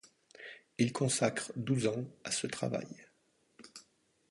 Il consacre douze ans à ce travail.